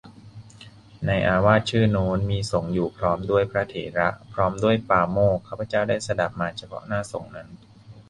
ในอาวาสชื่อโน้น มีสงฆ์อยู่พร้อมด้วยพระเถระ พร้อมด้วยปาโมกข์ ข้าพเจ้าได้สดับมาเฉพาะหน้าสงฆ์นั้น